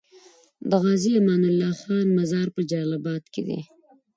د غازي امان الله خان مزار په جلال اباد کی دی